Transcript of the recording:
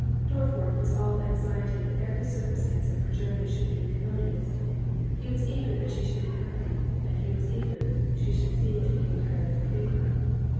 Dorriforth was all anxiety that every circumstance of her journey should be commodious; he was eager she should be happy; and he was eager she should see that he entirely forgave her.